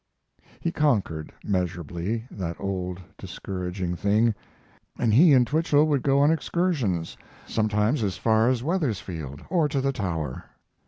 He conquered, measurably, that old, discouraging thing, and he and Twichell would go on excursions, sometimes as far as Wethersfield or to the tower.